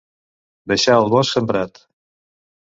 Deixar el bosc sembrat.